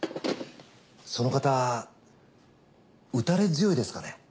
その方打たれ強いですかね？